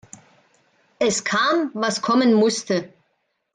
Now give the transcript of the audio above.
Es kam, was kommen musste.